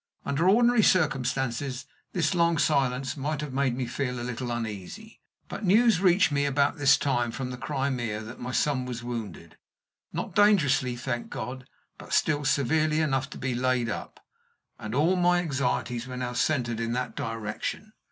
Under ordinary circumstances, this long silence might have made me feel a little uneasy. But news reached me about this time from the Crimea that my son was wounded not dangerously, thank God, but still severely enough to be la id up and all my anxieties were now centered in that direction.